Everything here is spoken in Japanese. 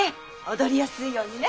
踊りやすいようにね。